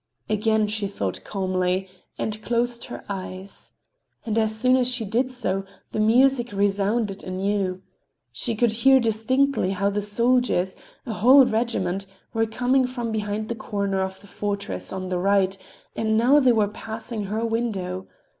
"Again," she thought calmly, and closed her eyes. And as soon as she did so the music resounded anew. She could hear distinctly how the soldiers, a whole regiment, were coming from behind the corner of the fortress, on the right, and now they were passing her window.